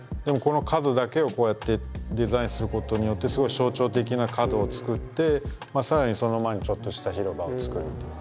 でもこの角だけをこうやってデザインすることによってすごい象徴的な角を作ってさらにその前にちょっとした広場を作る。